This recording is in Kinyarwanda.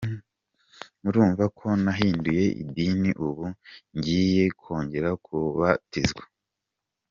Urumva ko nahinduye idini, ubu ngiye kongera kubatizwa.